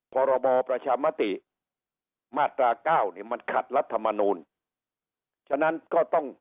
หรือบอกประชามติมาตรก้าวมันขัดรัฐมนุญฉะนั้นก็ต้อง